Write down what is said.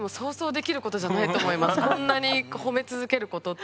こんなに褒め続けることって。